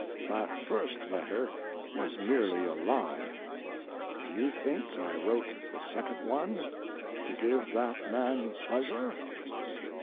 That first letter was merely a lie. Do you think I wrote the second one to give that man pleasure?